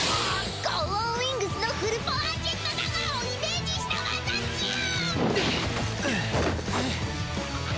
ゴーオンウイングスのフルパワージェットダガーをイメージした技チュン！